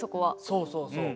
そうそうそう。